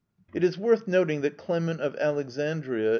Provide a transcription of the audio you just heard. It is worth noticing that Clement of Alexandria (Strom.